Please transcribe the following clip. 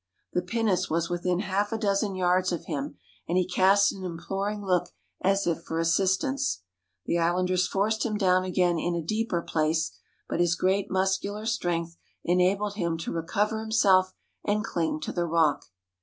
The pinnace was within half a dozen yards of him, and he cast an imploring look as if for assistance. The islanders forced him down again in a deeper place, but his great muscular strength enabled him to recover himself, and cling to the rock.